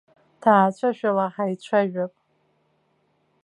Ҭаацәашәала ҳааицәажәап.